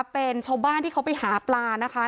เป็นชาวบ้านที่เขาไปหาปลานะคะ